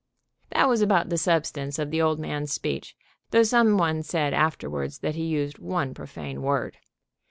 That was about the substance of the old man's speech, though some one said afterwards that he used one profane word.